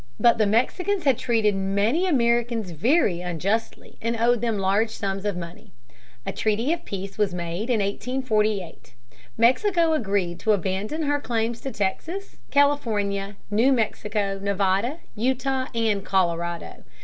But the Mexicans had treated many Americans very unjustly and owed them large sums of money. A treaty of peace was made in 1848. Mexico agreed to abandon her claims to Texas, California, New Mexico, Nevada, Utah, and Colorado.